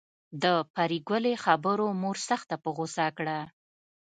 د پري ګلې خبرو مور سخته په غصه کړه